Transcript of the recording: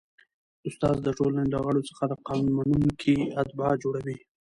استاد د ټولني له غړو څخه د قانون منونکي اتباع جوړوي.